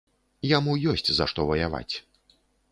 Яму ёсць за што ваяваць.